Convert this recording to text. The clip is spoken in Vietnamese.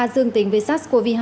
dương tính với sars cov hai